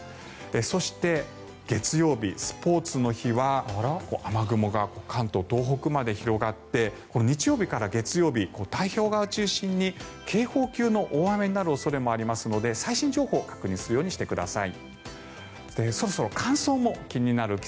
そして月曜日、スポーツの日は雨雲が関東、東北まで広がって日曜日から月曜日太平洋側を中心に警報級の大雨になる恐れもありますので最新情報を確認するようにしてください。